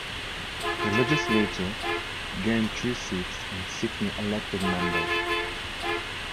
The legislature gained three seats, and six new elected members.